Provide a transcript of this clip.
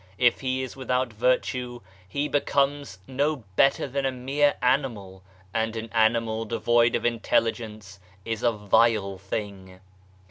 If he is without virtue he becomes no better than a mere animal, and an animal devoid of intelligence is a vile thing.